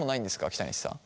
北西さん。